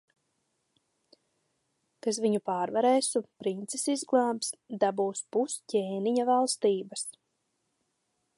Kas viņu pārvarēs un princesi izglābs, dabūs pus ķēniņa valstības.